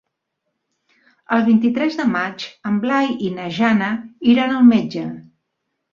El vint-i-tres de maig en Blai i na Jana iran al metge.